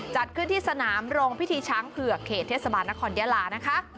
จัดขึ้นที่สนามโรงพิธีช้างเผือกเขตเทศบาลนครยาลานะคะ